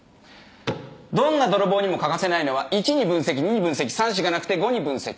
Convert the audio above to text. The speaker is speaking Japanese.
どんな泥棒にも欠かせないのは１に分析２に分析３４がなくて５に分析。